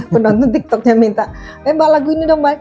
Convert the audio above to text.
penonton tiktoknya minta eh mbak lagu ini dong mbak